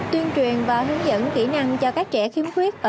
tuyên truyền và hướng dẫn kỹ năng cho các trẻ khiếm khuyết